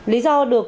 lý do được